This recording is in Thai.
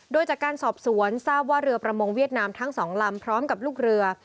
โดยจากการสอบสวนทราบว่าเรือประมงเวียดนามทั้งสองลำพร้อมกับลูกเรือ